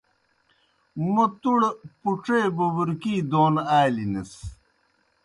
موْ تُوْڑ پُڇے بُبُرکی دون آلیْ نِس۔